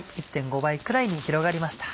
１．５倍くらいに広がりました。